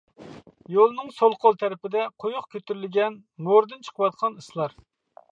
يولنىڭ سول قول تەرىپىدە قويۇق كۆتۈرۈلگەن مورىدىن چىقىۋاتقان ئىسلار.